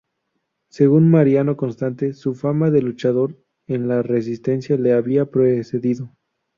Según Mariano Constante, su fama de luchador en la resistencia le había precedido.